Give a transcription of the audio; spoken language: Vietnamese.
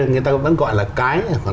người ta vẫn gọi là cái